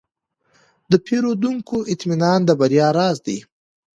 د پیرودونکو اطمینان د بریا راز دی.